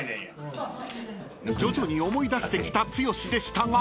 ［徐々に思い出してきた剛でしたが］